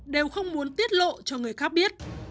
đều không muốn tiết lộ cho người khác biết